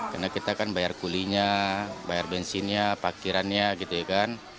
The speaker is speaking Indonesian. karena kita kan bayar kulinya bayar bensinnya pakirannya gitu ya kan